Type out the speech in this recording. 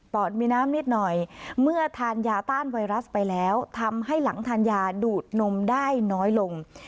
อดมีน้ำนิดหน่อยเมื่อทานยาต้านไวรัสไปแล้วทำให้หลังทานยาดูดนมได้น้อยลง